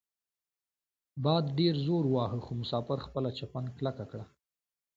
باد ډیر زور وواهه خو مسافر خپله چپن کلکه کړه.